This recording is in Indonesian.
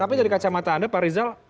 tapi dari kacamata anda pak rizal